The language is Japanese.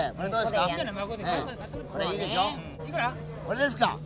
これですか？